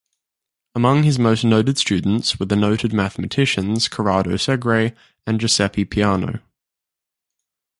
Among his most noted students were the noted mathematicians Corrado Segre and Giuseppe Peano.